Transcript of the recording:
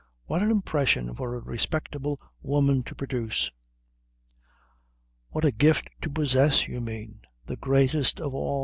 "What an impression for a respectable woman to produce!" "What a gift to possess, you mean. The greatest of all.